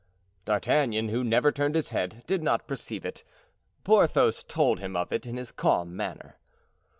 D'Artagnan, who never turned his head, did not perceive it. Porthos told him of it in his calm manner.